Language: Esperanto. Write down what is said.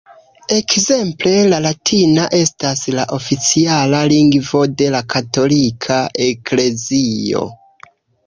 Ekzemple la latina estas la oficiala lingvo de la katolika eklezio.